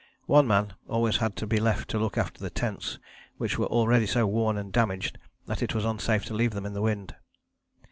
One man always had to be left to look after the tents, which were already so worn and damaged that it was unsafe to leave them in the wind.